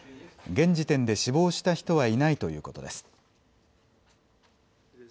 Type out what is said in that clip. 現時点で死亡した人はいないということです。